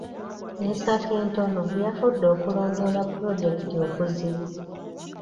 Ensako entono yafudde okulondoola pulojekiti okuzibu.